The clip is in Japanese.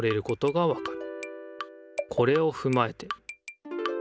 これをふまえて。